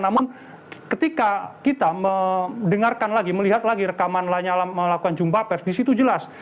namun ketika kita mendengarkan lagi melihat lagi rekaman lanyala melakukan jumpa pers disitu jelas